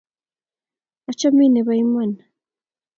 Achamin nepo Iman